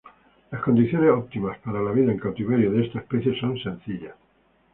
Las condiciones óptimas para la vida en cautiverio de esta especie son sencillas.